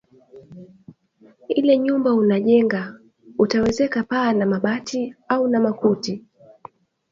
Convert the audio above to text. Ile nyumba unajenga, utawezeka paa na mabati au na makuti?